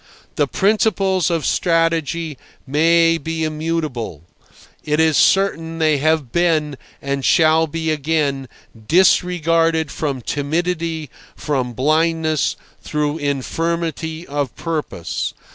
The principles of strategy may be immutable. It is certain they have been, and shall be again, disregarded from timidity, from blindness, through infirmity of purpose.